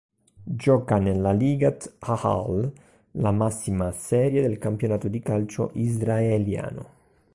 Gioca nella Ligat ha'Al, la massima serie del Campionato di calcio israeliano.